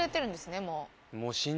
もう。